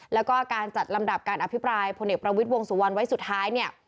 แล้วก็การจัดลำดับการอภิปรายพลเอกประวิทย์วงสุวรรณไว้สุดท้ายเนี่ย